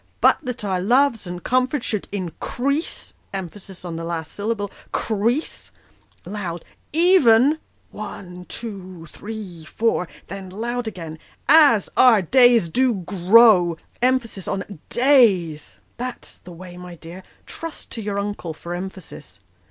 "' But that our loves and comforts should increase ' emphasis on the last syllable, ' crease,' loud ' even,' one, two, three, four ; then loud again, ' as our days do grow ;' emphasis on days. That's the way, my dear ; trust to your uncle for emphasis.